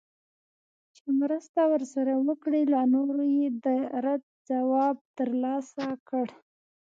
چي مرسته ورسره وکړي له نورو یې د رد ځواب ترلاسه کړ